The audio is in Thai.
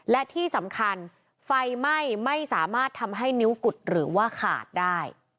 และที่สำคัญไฟไหม้ไม่สามารถทำให้นิ้วกุดหรือว่าขาดได้